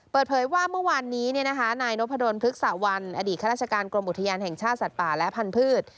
เปิดเผยว่าเมื่อวานนี้นายนพดลพฤกษะวันอดีตข้าราชการกรมอุทยานแห่งชาติสัตว์ป่าและพันธุ์